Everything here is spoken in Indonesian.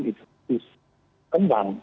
itu harus kembang